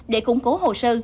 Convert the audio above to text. để củng cố hồ sơ